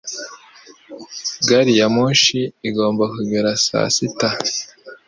Gari ya moshi igomba kugera saa sita.